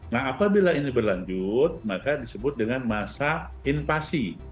nah apabila ini berlanjut maka disebut dengan masa invasi